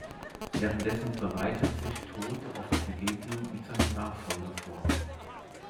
Währenddessen bereitet sich Tod auf die Begegnung mit seinem Nachfolger vor.